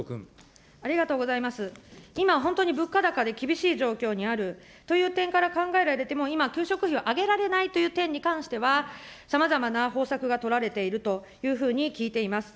今、本当に物価高で厳しい状況にあるという点からかんがえられても今、給食費は上げられないという点に関しては、さまざまな方策が取られているというふうに聞いています。